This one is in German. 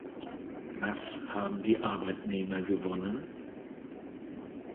Was haben die Arbeitnehmer gewonnen?